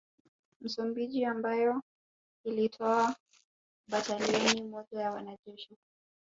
Msumbiji ambayo ilitoa batalioni moja ya wanajeshi